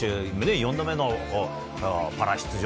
４度目のパラ出場。